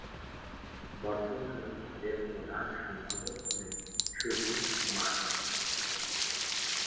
বর্তমানে এর প্রধান সম্পাদক হলেন সুধীর কুমার।